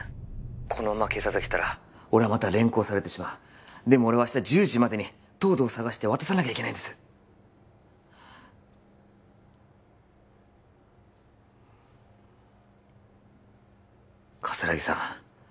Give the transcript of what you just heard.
☎このまま警察が来たら俺はまた連行されてしまうでも俺は明日１０時までに東堂を捜して渡さなきゃいけないんです葛城さん